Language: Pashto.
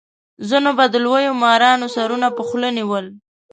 ځینو به د لویو مارانو سرونه په خوله نیول.